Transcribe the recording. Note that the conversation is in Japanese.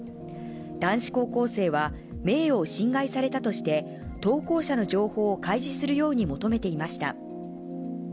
男子高校生は、名誉を侵害されたとして、投稿者の情報を開示するように求めていました。